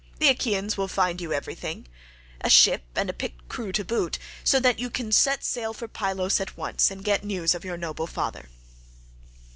The Achaeans will find you in everything—a ship and a picked crew to boot—so that you can set sail for Pylos at once and get news of your noble father."